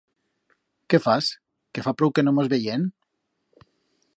Qué fas, que fa prou que no mos veyem?